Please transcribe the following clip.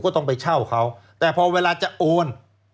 ก็ต้องไปเช่าเขาแต่พอเวลาจะโอน